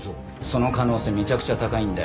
その可能性めちゃくちゃ高いんだよ。